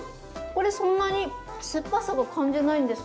これそんなにすっぱさは感じないんですけど。